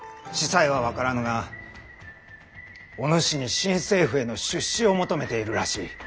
仔細は分からぬがお主に新政府への出仕を求めているらしい。